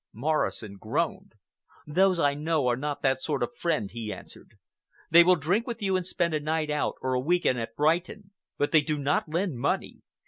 Morrison groaned. "Those I know are not that sort of friend," he answered. "They will drink with you and spend a night out or a week end at Brighton, but they do not lend money.